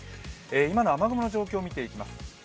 今の雨雲の状況を見ていきます。